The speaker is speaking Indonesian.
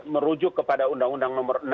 merujuk kepada undang undang nomor enam